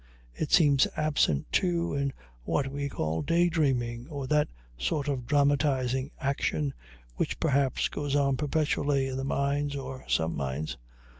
It seems absent, too, in what we call day dreaming, or that sort of dramatizing action which perhaps goes on perpetually in the mind, or some minds.